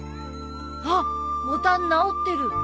あっボタン直ってる。